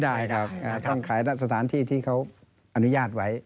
ใช่ครับต้องขายที่ที่เขาอนุญาตไว้